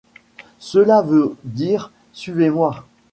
Cela veut dire : suivez-moi.